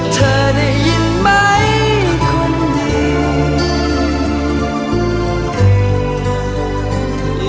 รักเธอได้ยินไหมความดี